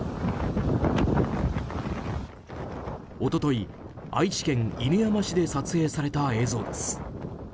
一昨日、愛知県犬山市で撮影された映像です。